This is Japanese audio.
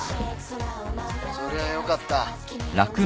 そりゃよかった。